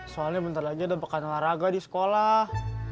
soalnya bentar aja dapetkan olahraga di sekolah